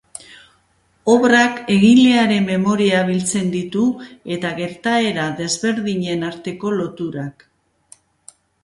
Obrak egilearen memoriak biltzen ditu eta gertaera desberdinen arteko loturak.